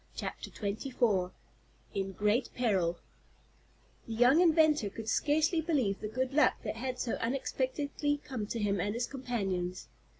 CHAPTER XXIV IN GREAT PERIL The young inventor could scarcely believe the good luck that had so unexpectedly come to him and his companions.